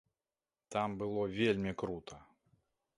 Там было вельмі крута!